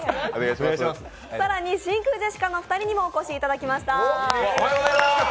更に真空ジェシカのお二人にもお越しいただきました。